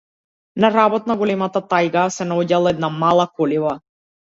На работ на големата тајга се наоѓала една мала колиба.